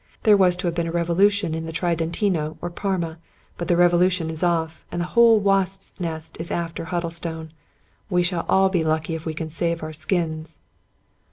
There was to have been a revolution in the Tridentino, or Parma ; but the revolution is off, and the whole wasp's nest is after Huddlestone. We shall all be lucky if we can save our skins."